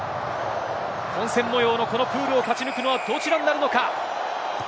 混戦模様のプールを勝ち抜くのは、どちらになるのか。